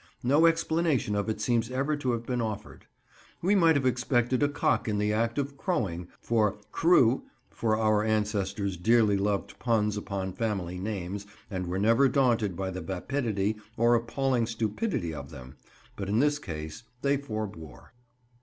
No explanation of it seems ever to have been offered. We might have expected a cock in the act of crowing, for "Crewe," for our ancestors dearly loved puns upon family names and were never daunted by the vapidity or appalling stupidity of them; but in this case they forbore.